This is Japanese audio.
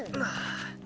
ああ。